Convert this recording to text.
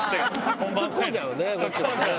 突っ込んじゃうね。